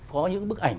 có những bức ảnh